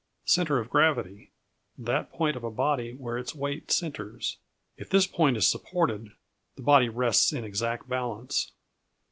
] Centre of Gravity That point of a body where its weight centres. If this point is supported, the body rests in exact balance.